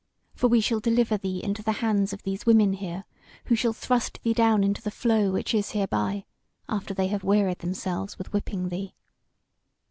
For we shall deliver thee into the hands of these women here, who shall thrust thee down into the flow which is hereby, after they have wearied themselves with whipping thee.